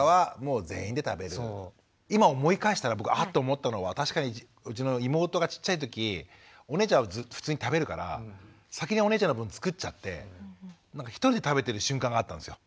今思い返したら僕あっと思ったのは確かにうちの妹がちっちゃい時お姉ちゃんは普通に食べるから先にお姉ちゃんの分作っちゃって一人で食べてる瞬間があったんですよ。